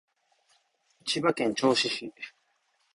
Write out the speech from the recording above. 千葉県銚子市